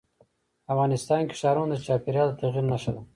افغانستان کې ښارونه د چاپېریال د تغیر نښه ده.